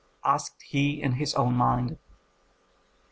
asked he in his own mind.